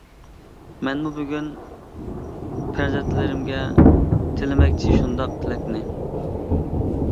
مەنمۇ بۈگۈن پەرزەنتلىرىمگە، تىلىمەكچى شۇنداق تىلەكنى.